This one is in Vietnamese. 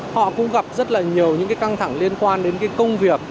họ cũng gặp rất là nhiều những căng thẳng liên quan đến công việc